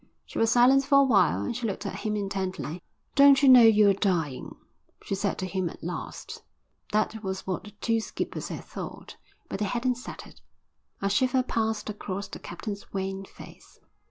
She was silent for a while and she looked at him intently. "Don't you know you're dying?" she said to him at last. That was what the two skippers had thought, but they hadn't said it. A shiver passed across the captain's wan face.